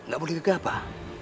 gak boleh gegah pak